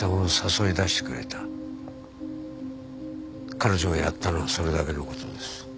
彼女がやったのはそれだけの事です。